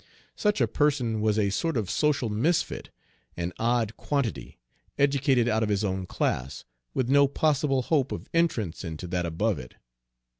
Such a person was a sort of social misfit, an odd quantity, educated out of his own class, with no possible hope of entrance into that above it.